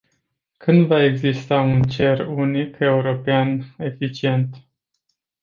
Când va exista un cer unic european eficient?